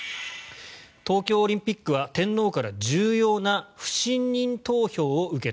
東京オリンピックは天皇から重要な不信任投票を受けた。